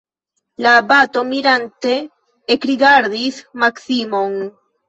La abato mirante ekrigardis Maksimon.